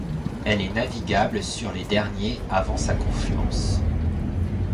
Elle est navigable sur les derniers avant sa confluence.